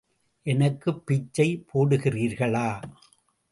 எனக்குப் பிச்சை போடுகிறீர்களா?